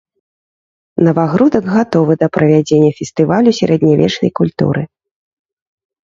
Навагрудак гатовы да правядзення фестывалю сярэднявечнай культуры.